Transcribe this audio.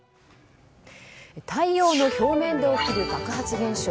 太陽の表面で起きる爆発現象